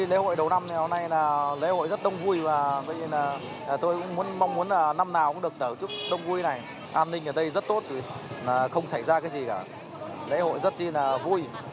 lễ hội rất vui bà con rất nhiệt tình